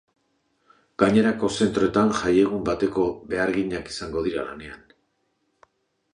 Gainerako zentroetan jaiegun bateko beharginak izango dira lanean.